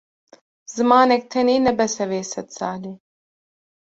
Zimanek tenê ne bes e vê sedsalê.